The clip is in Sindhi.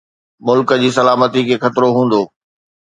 ملڪ جي سلامتي کي خطرو هوندو